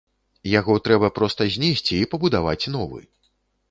Яго трэба проста знесці і пабудаваць новы.